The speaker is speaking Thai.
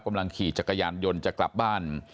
กำลังขี่จักรยานยนต์จะกลับบ้าน